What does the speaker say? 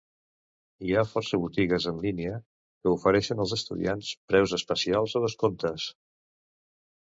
Hi ha força botigues en línia que ofereixen als estudiants preus especials o descomptes.